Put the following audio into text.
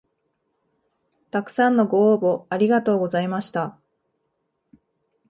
たくさんのご応募ありがとうございました